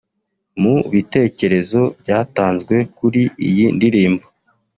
Mu bitekerezo byatanzwe kuri iyi ndirimbo